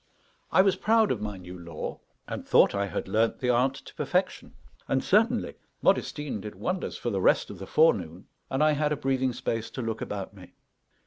I was proud of my new lore, and thought I had learned the art to perfection. And certainly Modestine did wonders for the rest of the forenoon, and I had a breathing space to look about me.